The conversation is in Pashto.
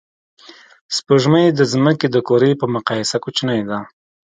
سپوږمۍ د ځمکې د کُرې په مقایسه کوچنۍ ده